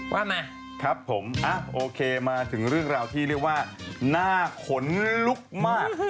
ว่าไงครับผมโอเคมาถึงเรื่องราวที่เรียกว่าหน้าขนลุกมาก